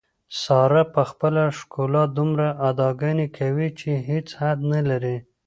ساره په خپله ښکلا دومره اداګانې کوي، چې هېڅ حد نه لري.